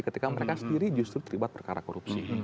ketika mereka sendiri justru terlibat perkara korupsi